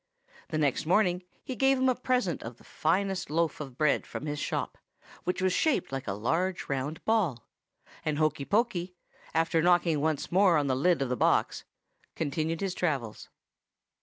The next morning he gave him for a present the finest loaf of bread in his shop, which was shaped like a large round ball; and Hokey Pokey, after knocking once more on the lid of the box, continued his travels.